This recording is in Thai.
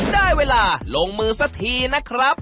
ได้เวลาลงมือสักทีนะครับ